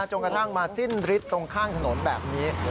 จนกระทั่งมาสิ้นฤทธิ์ตรงข้างถนนแบบนี้